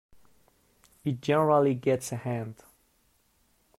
It generally gets a hand.